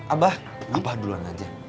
abah abah duluan aja